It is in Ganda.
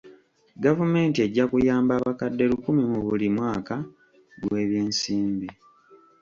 Gavumenti ejja kuyamba abakadde lukumi mu buli mwaka gw'ebyensimbi.